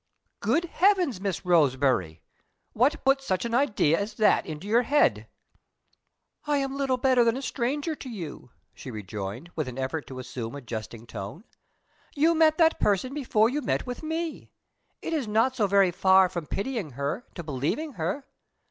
"Good heavens, Miss Roseberry! what put such an idea as that into your head?" "I am little better than a stranger to you," she rejoined, with an effort to assume a jesting tone. "You met that person before you met with me. It is not so very far from pitying her to believing her.